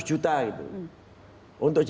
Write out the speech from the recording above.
aku tidak mengertikan langsung selty